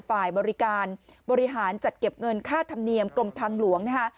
ฝ่ายบริการบริหารจัดเก็บเงินค่าธรรมเนียมกรมทางหลวงนะคะ